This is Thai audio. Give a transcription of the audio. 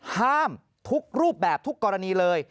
ทุกรูปแบบทุกกรณีเลย